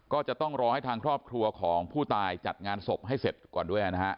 ก็จะต้องรอให้ทางครอบครัวของผู้ตายจัดงานศพให้เสร็จก่อนด้วยนะฮะ